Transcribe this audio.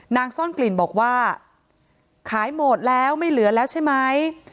ซ่อนกลิ่นบอกว่าขายหมดแล้วไม่เหลือแล้วใช่ไหม